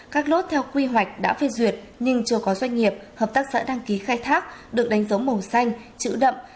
các lốt theo quy hoạch đã phê duyệt nhưng chưa có doanh nghiệp hợp tác xã đăng ký khai thác được đánh dấu màu xanh chữ đậm